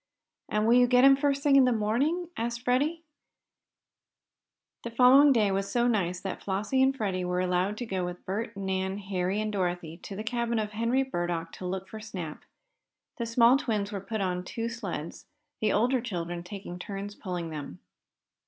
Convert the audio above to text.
"And will you get him first thing in the morning?" asked Freddie. The following day was so nice that Flossie and Freddie were allowed to go with Bert, Nan, Harry and Dorothy to the cabin of Henry Burdock to look for Snap. The small twins were put on two sleds, the older children taking turns pulling them.